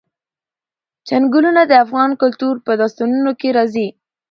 چنګلونه د افغان کلتور په داستانونو کې راځي.